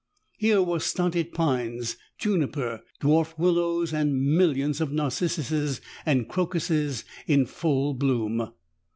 Here were stunted pines, juniper, dwarf willows and millions of narcissuses and crocuses in full bloom.